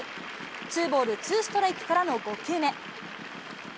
ツーボールツーストライクからの５球目。